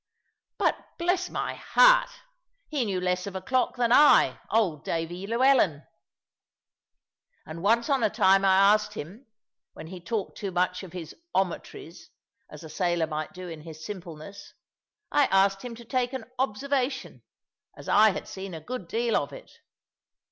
But, bless my heart! he knew less of a clock than I, old Davy Llewellyn, and once on a time I asked him, when he talked too much of his "ometries" as a sailor might do in his simpleness I asked him to take an "observation," as I had seen a good deal of it.